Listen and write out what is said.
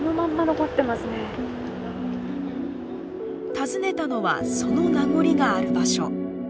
訪ねたのはその名残がある場所。